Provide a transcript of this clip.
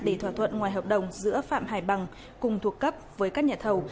để thỏa thuận ngoài hợp đồng giữa phạm hải bằng cùng thuộc cấp với các nhà thầu